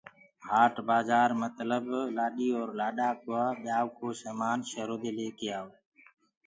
هآٽ بآجآر متلب لآڏي اور لآڏآ ڪآ ٻيآيوٚ ڪو سآمآن شيرو دي لي وآ جآوو۔